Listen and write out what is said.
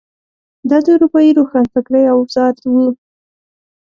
دا د اروپايي روښانفکرۍ اوزار وو.